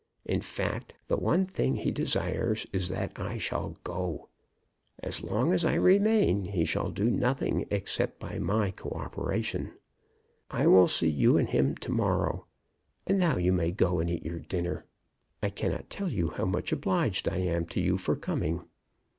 In fact, the one thing he desires is that I shall go. As long as I remain he shall do nothing except by my co operation. I will see you and him to morrow, and now you may go and eat your dinner. I cannot tell you how much obliged I am to you for coming."